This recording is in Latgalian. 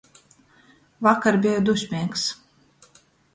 Vakar beju dusmeigs.